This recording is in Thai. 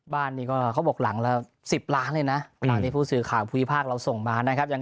บ้านนี้ก็เขาบอกหลังละ๑๐ล้านเลยนะเวลานี้ผู้สื่อข่าวภูมิภาคเราส่งมานะครับ